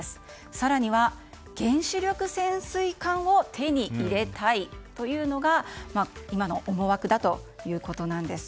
更には、原子力潜水艦を手に入れたいというのが今の思惑だということです。